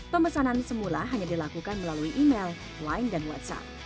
pemesanan semula hanya dilakukan melalui email line dan whatsapp